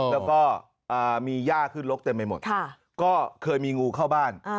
แล้วก็มีย่าขึ้นลกเต็มไปหมดก็เคยมีงูเข้าบ้าน